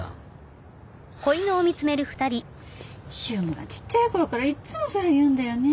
柊磨はちっちゃい頃からいっつもそれ言うんだよね。